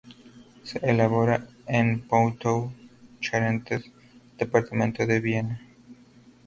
Se elabora en Poitou-Charentes, departamento de Vienne.